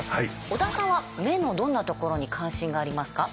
織田さんは目のどんなところに関心がありますか？